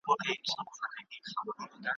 دسرونو په کاسوکي ,